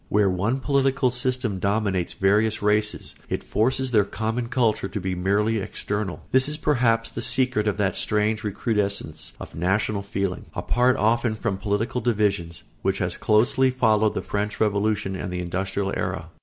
Where one political system dominates various races it forces their common culture to be external merely. This is perhaps the secret of that strange recrudescence of national feeling, apart often from political divisions, which has closely followed the French Revolution and the industrial era.